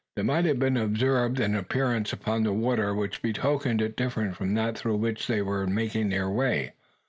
There might have been observed an appearance upon the water, which betokened it different from that through which they were making their way.